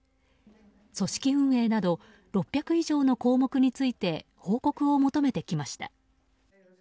組織運営など６００以上の項目について報告を求めてきました。